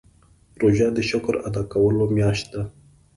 روژه د شکر ادا کولو میاشت ده.